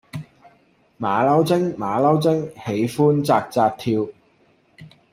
馬騮精馬騮精喜歡紮紮跳